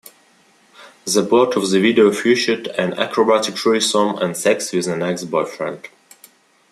The plot of the video featured an "acrobatic" threesome and sex with an ex-boyfriend.